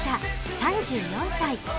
３４歳。